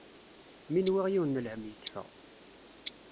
Mi nwiɣ yiwen n lhem yekfa.